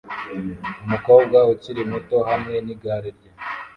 Umukobwa ukiri muto hamwe nigare rye